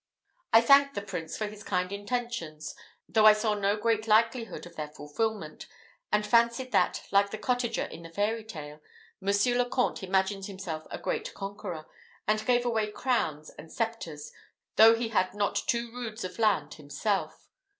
I thanked the Prince for his kind intentions, though I saw no great likelihood of their fulfilment, and fancied that, like the cottager in the fairy tale, Monsieur le Comte imagined himself a great conqueror, and gave away crowns and sceptres, though he had not two roods of land himself.